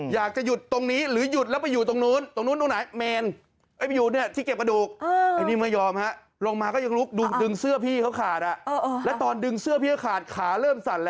อยากจะหยุดตรงนี้หรือหยุดแล้วไปหยุดตรงนู้น